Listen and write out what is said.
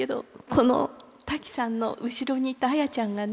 このタキさんの後ろにいた綾ちゃんがね